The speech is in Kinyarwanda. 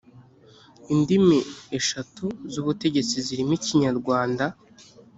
indimi eshatu z ubutegetsi zirimo ikinyarwanda